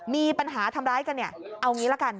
มีปัญหาทำร้ายกันเนี่ยเอางี้ละกัน